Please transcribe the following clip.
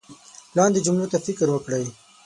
لاندې جملو ته فکر وکړئ